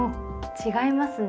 違いますね。